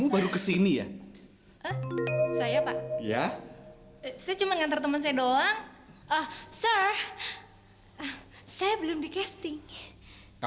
bukan yang laki laki itu